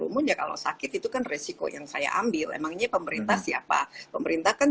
umum ya kalau sakit itu kan resiko yang saya ambil emangnya pemerintah siapa pemerintah kan